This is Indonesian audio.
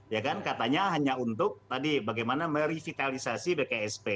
ya kan katanya hanya untuk tadi bagaimana merevitalisasi bksp